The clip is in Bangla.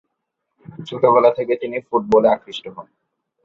ছোটবেলা থেকেই তিনি ফুটবলে আকৃষ্ট হন।